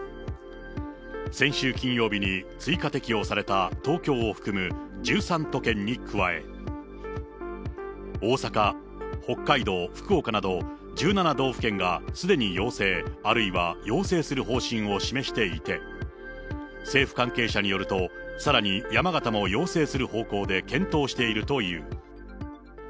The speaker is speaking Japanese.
先週金曜日に追加適用された東京を含む１３都県に加え、大阪、北海道、福岡など１７道府県がすでに要請、あるいは要請する方針を示していて、政府関係者によると、さらに山形も要請する方向で検討しているという。